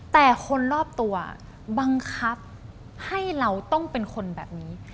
แต่คนรอบตัวบังคับให้เราต้องเป็นคนแบบนี้